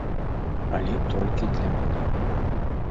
Але толькі для мяне.